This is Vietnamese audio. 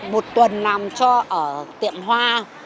một tuần làm cho ở tiệm hoa